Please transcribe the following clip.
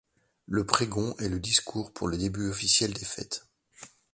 Le Pregón est le discours pour le début officiel des fêtes.